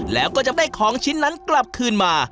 แล้วก็จะได้ของชิ้นนั้นกลับคืนมา